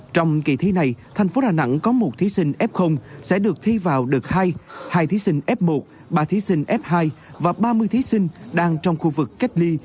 trong kỳ thi này thành phố đà nẵng có một thí sinh f sẽ được thi vào đợt hai hai thí sinh f một ba thí sinh f hai và ba mươi thí sinh đang trong khu vực cách ly